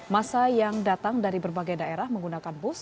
masa yang datang dari berbagai daerah menggunakan bus